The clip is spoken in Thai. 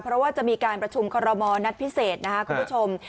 เพราะว่าจะมีการประชุมคอรมอลนัดพิเศษนะครับคุณผู้ชม